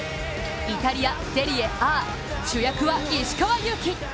イタリア・セリエＡ主役は石川祐希。